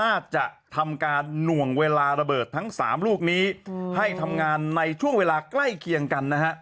น่าจะทำการหน่วงเวลาระเบิดทั้ง๓ลูกนี้ให้ทำงานในช่วงเวลาใกล้เคียงกันนะฮะ